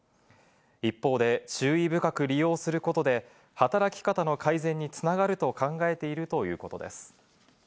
一方で、注意深く利用することで、働き方の改善に繋がると考えているということです。